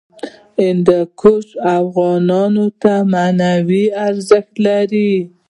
هندوکش افغانانو ته معنوي ارزښت لري.